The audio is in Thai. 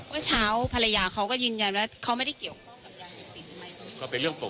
เมื่อเช้าภรรยาเขาก็ยืนยันว่าเขาไม่ได้เกี่ยวข้องกับยาเสพติดใช่ไหม